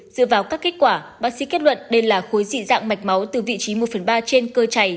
dựa vào các kết quả bác sĩ kết luận đây là khối dị dạng mạch máu từ vị trí một phần ba trên cơ chảy